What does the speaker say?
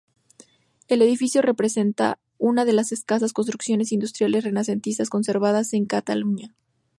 El edificio representa una de las escasas construcciones industriales renacentistas conservadas en Cataluña.